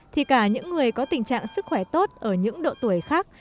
thì cả những người có tình trạng sức khỏe tốt ở những độ tuổi khác